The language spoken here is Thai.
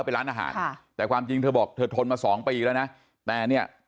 เป็นร้านอาหารค่ะแต่ความจริงเธอบอกเธอทนมาสองปีแล้วนะแต่เนี่ย